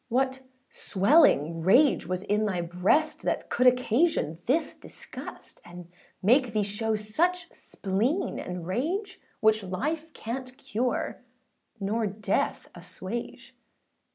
What swelling rage was in thy breast, That could occasion this disgust, And make thee show such spleen and rage, Which life canât cure nor death assuage?